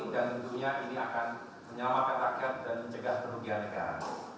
dan tentunya ini akan menyelamatkan rakyat dan menjaga kerugian negara